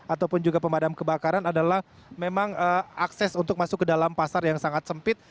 ataupun juga pemadam kebakaran adalah memang akses untuk masuk ke dalam pasar yang sangat sempit